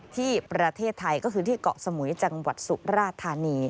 ที่ประเทศไทยก็คือที่เกาะสมุยจังหวัดสุราธานี